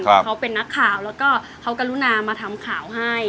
เขาเป็นนักข่าวแล้วก็เขากรุณามาทำข่าวให้